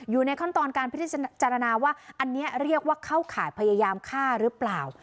อยู่ในขั้นตอนการพิจารณาว่าอันนี้เรียกว่าเข้าข่ายพยายามฆ่าหรือเปล่า